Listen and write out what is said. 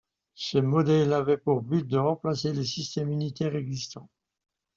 Ce modèle avait pour but de remplacer le système unitaire existant.